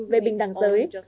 về bình đẳng giới